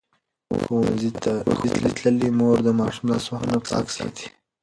ښوونځې تللې مور د ماشوم لاسونه پاک ساتي.